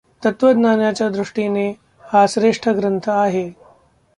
तत्त्वज्ञानाच्या दृष्टीने हा श्रेष्ठ ग्रंथ आहे.